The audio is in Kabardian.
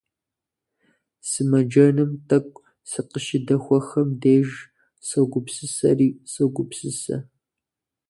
Сымэджэным тӀэкӀу сыкъыщыдэхуэхэм деж согупсысэри-согупсысэ!